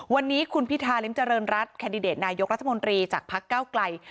วันนี้คุณพิธาริมเจริญรัฐแคนดิเดตนายกรัฐมนตรีจากพักเก้าไกล